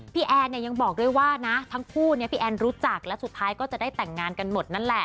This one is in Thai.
แอนเนี่ยยังบอกด้วยว่านะทั้งคู่เนี่ยพี่แอนรู้จักและสุดท้ายก็จะได้แต่งงานกันหมดนั่นแหละ